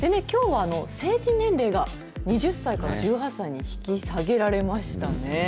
きょうは成人年齢が２０歳から１８歳に引き下げられましたね。